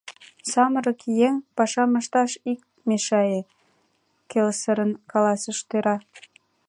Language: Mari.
— Самырык еҥ, пашам ышташ ит мешае! — келесырын каласыш тӧра.